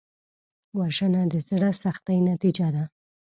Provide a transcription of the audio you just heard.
وژنه د زړه سختۍ نتیجه ده